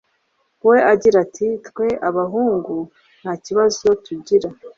we agira ati “twe abahungu nta kibazo tugira